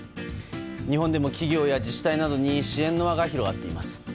日本でも企業や自治体などに支援の輪が広がっています。